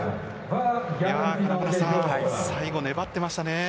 金丸さん、最後粘ってましたね。